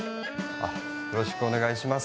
よろしくお願いします。